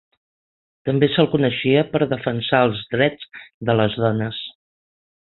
També se'l coneixia per defensar els drets de les dones.